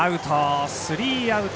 スリーアウト。